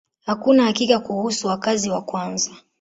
Hakuna hakika kuhusu wakazi wa kwanza.